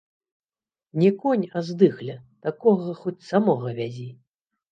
Не конь, а здыхля, такога хоць самога вязі.